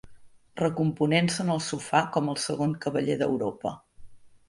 Recomponent-se en el sofà com el segon cavaller d'Europa.